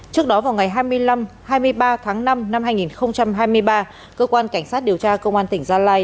trước đó vào ngày hai mươi năm hai mươi ba tháng năm năm hai nghìn hai mươi ba cơ quan cảnh sát điều tra công an tỉnh gia lai